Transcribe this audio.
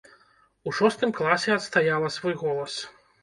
У шостым класе адстаяла свой голас.